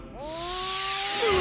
「うわ！